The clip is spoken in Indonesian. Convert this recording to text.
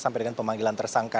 sampai dengan pemanggilan tersangka